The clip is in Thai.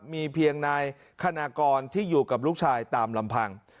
มีเพียงนายคณากรที่อยู่กับลูกชายตามลำพัง